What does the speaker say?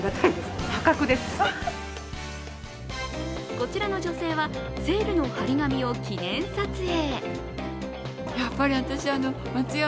こちらの女性は、セールの貼り紙を記念撮影。